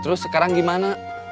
terus sekarang gimana